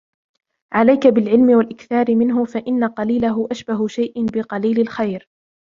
عَلَيْك بِالْعِلْمِ وَالْإِكْثَارِ مِنْهُ فَإِنَّ قَلِيلَهُ أَشْبَهُ شَيْءٍ بِقَلِيلِ الْخَيْرِ